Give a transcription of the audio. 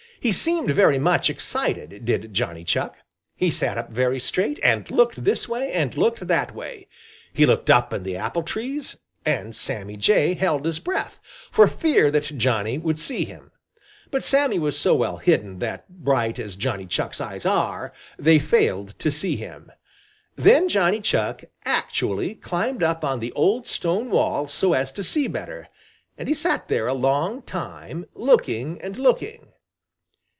He seemed very much excited, did Johnny Chuck. He sat up very straight and looked this way and looked that way. He looked up in the apple trees, and Sammy Jay held his breath, for fear that Johnny would see him. But Sammy was so well hidden that, bright as Johnny Chuck's eyes are, they failed to see him. Then Johnny Chuck actually climbed up on the old stone wall so as to see better, and he sat there a long time, looking and looking.